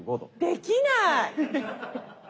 できない！